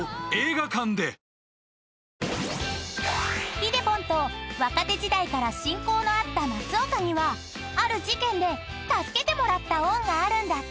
［ひでぽんと若手時代から親交のあった松岡にはある事件で助けてもらった恩があるんだって］